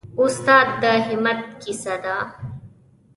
استاد د همت کیسه ده.